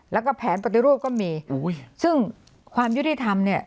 แล้วก็แผนปฏิรูปก็มีซึ่งความยุติธรรมเนี่ย